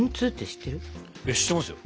知ってますよ。